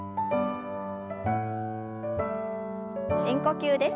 深呼吸です。